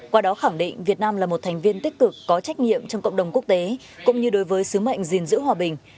qua đó khẳng định việt nam là một thành viên tích cực có trách nhiệm trong cộng đồng quốc tế cũng như đối với sứ mệnh gìn giữ hòa bình